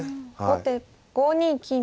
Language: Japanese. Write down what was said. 後手５二金。